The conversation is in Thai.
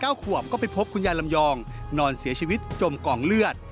ขวบก็ไปพบคุณยายลำยองนอนเสียชีวิตจมกองเลือด